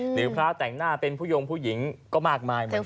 หรือพระแต่งหน้าเป็นผู้ยงผู้หญิงก็มากมายเหมือนกัน